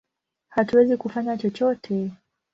Hatuwezi kufanya chochote!